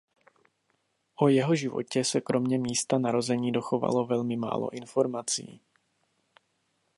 O jeho životě se kromě místa narození dochovalo velmi málo informací.